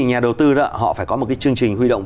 nhà đầu tư đó họ phải có một cái chương trình huy động